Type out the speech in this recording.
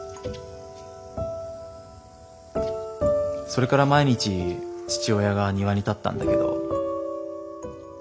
それから毎日父親が庭に立ったんだけど。